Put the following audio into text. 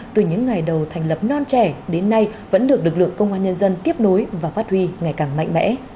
từ những ngày đầu thành lập non trẻ đến nay vẫn được lực lượng công an nhân dân tiếp nối và phát huy ngày càng mạnh mẽ